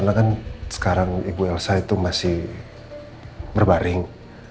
makasih hidup pulang